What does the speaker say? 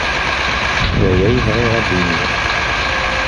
D aya ay bɣiɣ ad d-iniɣ.